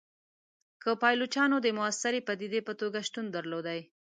که پایلوچانو د موثري پدیدې په توګه شتون درلودلای.